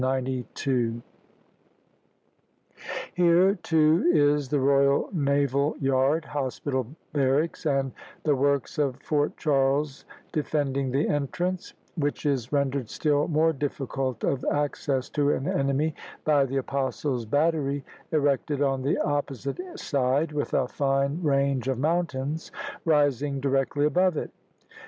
Here, too, is the Royal Naval Yard, hospital, barracks, and the works of Fort Charles defending the entrance, which is rendered still more difficult of access to an enemy by the Apostles' Battery erected on the opposite side, with a fine range of mountains rising directly above it.